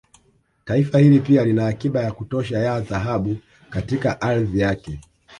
Taifa hili pia lina akiba ya kutosha ya Dhahabu katika ardhi yake